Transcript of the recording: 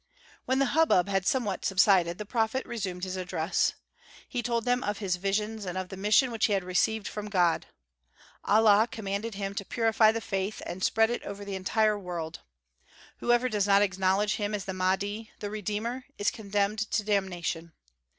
When the hubbub had somewhat subsided, the prophet resumed his address. He told them of his visions and of the mission which he had received from God. Allah commanded him to purify the faith and spread it over the entire world. Whoever does not acknowledge him as the Mahdi, the Redeemer, is condemned to damnation.